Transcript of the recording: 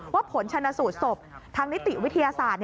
ผลชนะสูตรศพทางนิติวิทยาศาสตร์